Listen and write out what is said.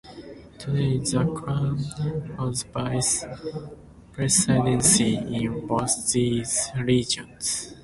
Today, the clan holds vice-presidency in both these regions.